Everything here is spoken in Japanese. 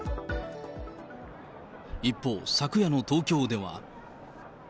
一方、昨夜の東京では。